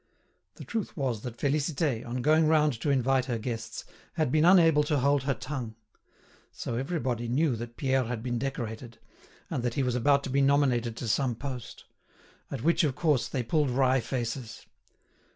The truth was that Félicité, on going round to invite her guests, had been unable to hold her tongue. So everybody knew that Pierre had been decorated, and that he was about to be nominated to some post; at which, of course, they pulled wry faces.